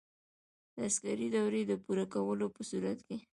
د عسکري دورې د پوره کولو په صورت کې.